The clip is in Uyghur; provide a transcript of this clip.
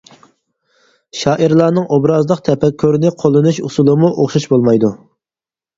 شائىرلارنىڭ ئوبرازلىق تەپەككۇرىنى قوللىنىش ئۇسۇلىمۇ ئوخشاش بولمايدۇ.